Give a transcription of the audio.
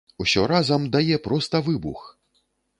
Усё разам дае проста выбух!